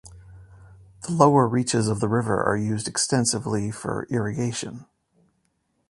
The lower reaches of the river are used extensively for irrigation.